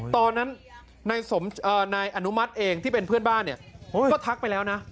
ตอนนั้นนายอนุมัติเองที่เป็นเพื่อนบ้านเนี่ยก็ทักไปแล้วนะ